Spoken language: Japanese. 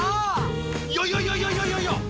いやいやいやいやいやいやいや！